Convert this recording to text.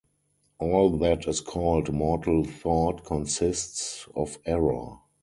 All that is called mortal thought consists of error.